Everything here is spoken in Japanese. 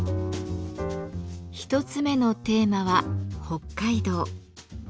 一つ目のテーマは「北海道」。